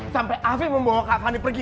sampai afi membawa kak fani pergi